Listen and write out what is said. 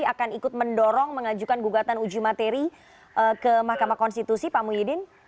akan ikut mendorong mengajukan gugatan uji materi ke mahkamah konstitusi pak muhyiddin